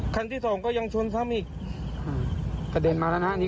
มันถึงตรงข้างแล้วเหรอมีบังชั้นอีก